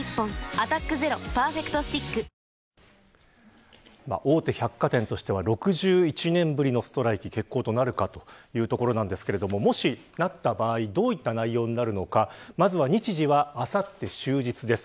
「アタックＺＥＲＯパーフェクトスティック」大手百貨店としては６１年ぶりのストライキ、決行となるかというところですがもしなった場合どういった内容になるのか、まず日時はあさって終日です。